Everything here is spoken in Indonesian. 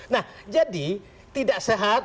nah jadi tidak sehat